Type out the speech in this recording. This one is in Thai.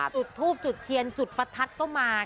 จุดทูบจุดเทียนจุดประทัดก็มา